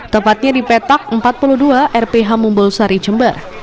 tepatnya di petak empat puluh dua rph mumbulsari jember